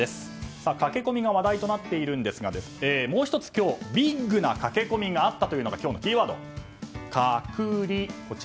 駆け込みが話題となっていますがもう１つビッグな駆け込みがあったというのが今日のキーワード。